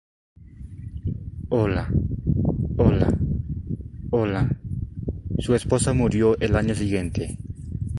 Su esposa murió el año siguiente.